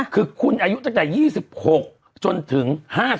คือคุณอายุตั้งแต่๒๖จนถึง๕๘